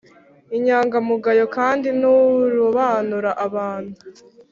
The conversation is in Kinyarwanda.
inyangamugayo kandi nturobanura abantu